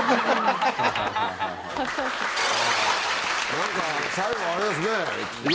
何か最後あれですね。